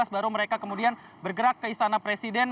baru mereka kemudian bergerak ke istana presiden